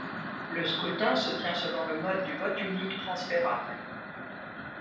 Le scrutin se tient selon le mode du vote unique transférable.